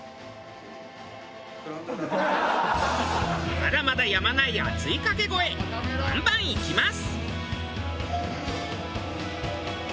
まだまだやまない熱いかけ声バンバンいきます！